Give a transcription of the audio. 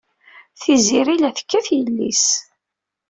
Tiziri la tekkat yelli-s.